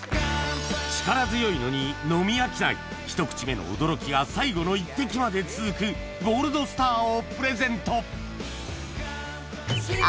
力強いのに飲み飽きないひと口目の驚きが最後の１滴まで続く「ゴールドスター」をプレゼント